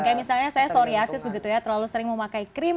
kayak misalnya saya psoriasis begitu ya terlalu sering memakai krim